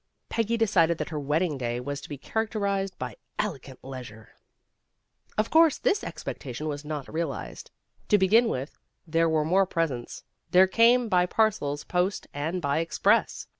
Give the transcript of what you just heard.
Peggy decided that her wedding day was to be characterized by elegant leisure. Of course this expectation was nat realized. To begin with, there were more presents. They came by parcels post and by express.